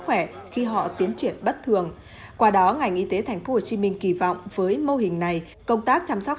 khỏe khi họ tiến triển bất thường qua đó ngành y tế tp hcm kỳ vọng với mô hình này công tác chăm sóc